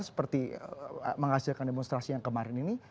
seperti menghasilkan demonstrasi yang kemarin ini